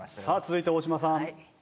さあ続いて大島さん。